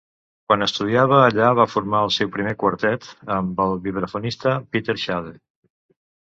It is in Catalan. Quan estudiava allà va formar el seu primer quartet, amb el vibrafonista Peter Shade.